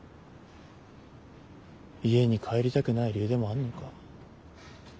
家に帰りたくない理由でもあんのか？